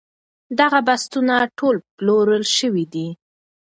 دغه بستونه ټول پلورل شوي دي.